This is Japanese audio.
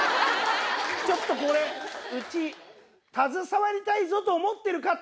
ちょっとこれうち携わりたいぞと思ってる方